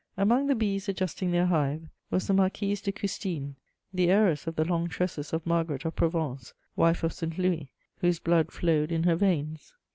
] Among the bees adjusting their hive was the Marquise de Custine, the heiress of the long tresses of Margaret of Provence, wife of St. Louis, whose blood flowed in her veins.